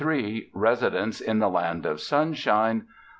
235 RESIDENCE IN THE LAND OF SUNSHINE I.